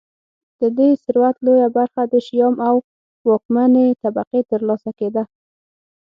د دې ثروت لویه برخه د شیام او واکمنې طبقې ترلاسه کېده